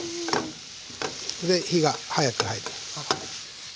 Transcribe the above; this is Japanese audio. それで火が早く入る。